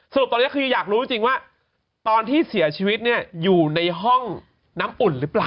สรุปตอนนี้คืออยากรู้จริงว่าตอนที่เสียชีวิตเนี่ยอยู่ในห้องน้ำอุ่นหรือเปล่า